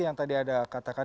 yang tadi ada katakan